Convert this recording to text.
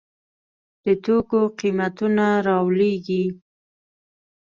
د توکو قیمتونه رالویږي.